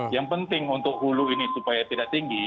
yang penting untuk hulu ini supaya tidak tinggi